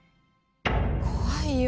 怖いよ。